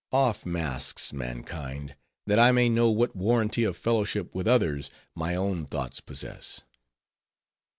Off masks, mankind, that I may know what warranty of fellowship with others, my own thoughts possess.